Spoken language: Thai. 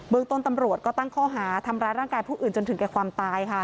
เมืองต้นตำรวจก็ตั้งข้อหาทำร้ายร่างกายผู้อื่นจนถึงแก่ความตายค่ะ